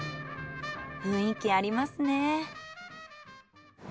雰囲気ありますね。